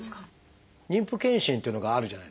妊婦健診というのがあるじゃないですか。